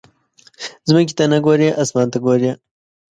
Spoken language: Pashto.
ځمکې ته نه ګورې، اسمان ته ګورې.